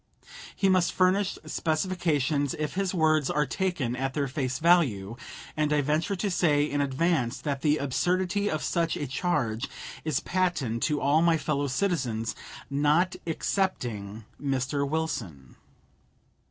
He must furnish specifications if his words are taken at their face value and I venture to say in advance that the absurdity of such a charge is patent to all my fellow citizens, not excepting Mr. Wilson.